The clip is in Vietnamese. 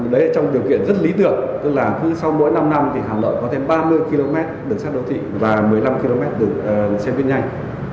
đấy là trong điều kiện rất lý tưởng tức là cứ sau mỗi năm năm thì hà nội có thêm ba mươi km được xác đấu thị và một mươi năm km được xe viên nhanh